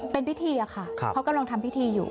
เป็นพิธีอะค่ะเขากำลังทำพิธีอยู่